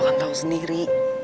lu kan tau sendiri